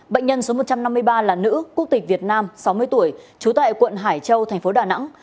bệnh nhân số một trăm năm mươi ba là nữ quốc tịch việt nam sáu mươi tuổi trú tại quận hải châu thành phố đà nẵng